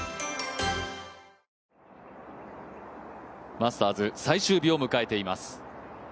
マスターズ、最終日を迎えています。